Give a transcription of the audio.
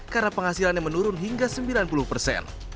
karena penghasilannya menurun hingga sembilan puluh persen